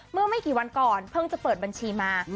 เมื่อไม่กี่วันก่อนเพิ่งจะเปิดบัญชีมา